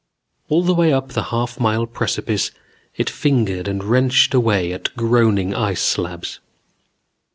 All the way up the half mile precipice it fingered and wrenched away at groaning ice slabs.